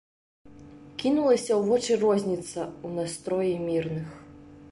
Кінулася ў вочы розніца ў настроі мірных.